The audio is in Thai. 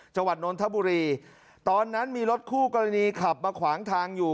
นนทบุรีตอนนั้นมีรถคู่กรณีขับมาขวางทางอยู่